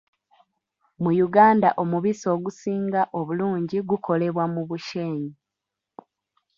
Mu Uganda omubisi ogusinga obulungi gukolebwa mu Bushenyi.